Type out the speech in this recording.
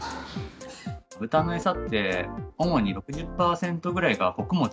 豚の餌って主に６０％ぐらいが穀物。